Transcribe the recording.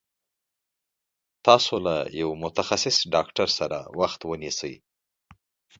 تاسو له يوه متخصص ډاکټر سره وخت ونيسي